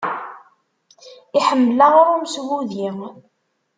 Iḥemmel aɣrum s wudi.